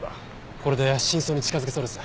これで真相に近づけそうですね。